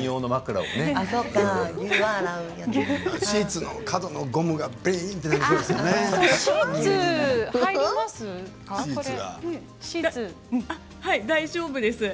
シーツの角のゴムが大丈夫ですよ。